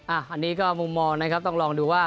อันนี้ก็มุมมองนะครับต้องลองดูว่า